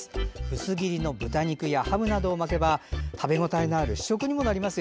薄切りの豚肉やハムなどを巻けば食べ応えのある主食にもなりますよ。